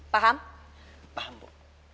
paham paham bu